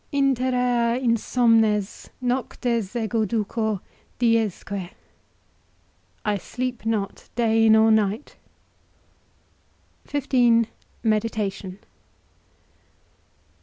INTEREA INSOMNES NOCTES EGO DUCO, DIESQUE. I sleep not day nor night. XV. MEDITATION.